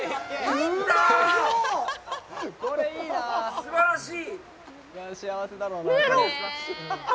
すばらしい。